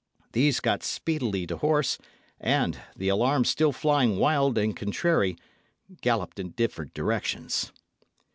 These got speedily to horse, and, the alarm still flying wild and contrary, galloped in different directions.